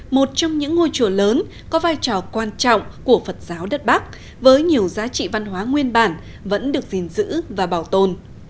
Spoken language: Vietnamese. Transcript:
một trong những ngôi chùa lớn có vai trò quan trọng của phật giáo đất bắc với nhiều giá trị văn hóa nguyên bản vẫn được gìn giữ và bảo tồn